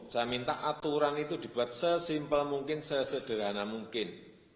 saya minta aturan itu dibuat sesimpel mungkin sesederhana mungkin